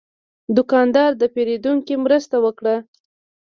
دوکاندار د پیرودونکي مرسته وکړه.